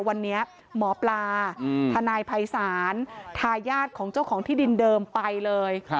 วันนี้หมอปลาทนายภัยศาลทายาทของเจ้าของที่ดินเดิมไปเลย